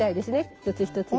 一つ一つが。